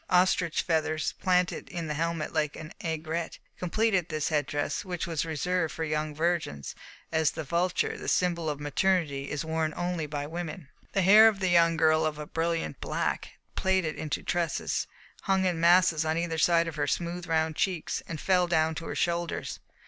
Ostrich feathers, planted in the helmet like an aigrette, completed this head dress, which was reserved for young virgins, as the vulture, the symbol of maternity, is worn only by women. The hair of the young girl, of a brilliant black, plaited into tresses, hung in masses on either side of her smooth, round cheeks, and fell down to her shoulders.